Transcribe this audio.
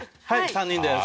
３人です。